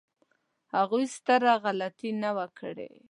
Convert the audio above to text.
هغوی ستره غلطي نه وه کړې.